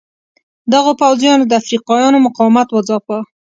دغو پوځیانو د افریقایانو مقاومت وځاپه.